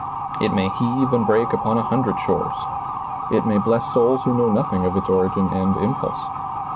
It may heave and break upon a hundred shores. It may bless souls who know nothing of its origin and impulse.